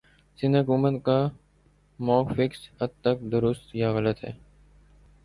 سندھ حکومت کا موقفکس حد تک درست یا غلط ہے